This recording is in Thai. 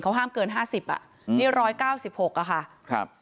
เขาห้ามเกิน๕๐มิลลิกรัมนี่๑๙๖มิลลิกรัม